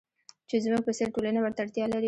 چې زموږ په څېر ټولنې ورته اړتیا لري.